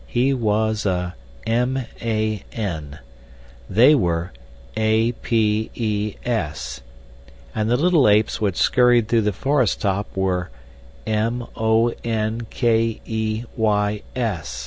He was a M A N, they were A P E S, and the little apes which scurried through the forest top were M O N K E Y S.